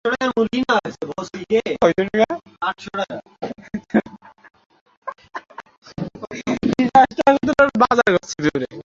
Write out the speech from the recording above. মনের খায়েশ মিটিয়েছিলি না?